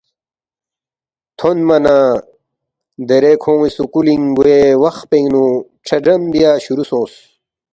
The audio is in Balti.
تھونما نہ دیرے کھون٘ی سکُولِنگ گوے وخ پِینگ نُو چھیگرَم بیا شروع سونگس